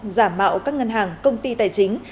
giả mạo các ngân hàng công ty tài chính